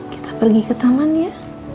kita pergi ke taman ya